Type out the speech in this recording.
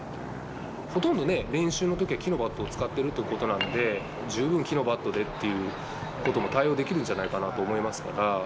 ほとんどね、練習のときは木のバットを使ってるということなんで、十分、木のバットでっていうことも対応できるんじゃないかなと思いますから。